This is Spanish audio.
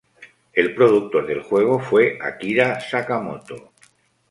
El productor del juego fue Akira Sakamoto.